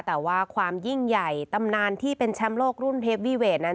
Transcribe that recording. แต่ว่าความยิ่งใหญ่ตำนานที่เป็นแชมป์โลกรุ่นเทปวีเวทนั้น